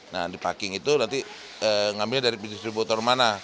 nah di packing itu nanti ngambilnya dari distributor mana